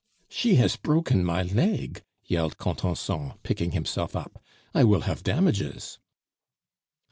"She has broken my leg!" yelled Contenson, picking himself up; "I will have damages!"